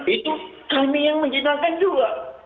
itu kami yang menghinakan juga